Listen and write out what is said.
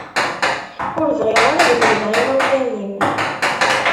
Ur bɣiɣ ara ad mlileɣ imawlan-im.